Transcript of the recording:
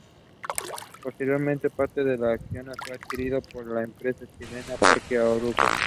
Posteriormente parte del accionariado fue adquirido por la empresa chilena Parque Arauco.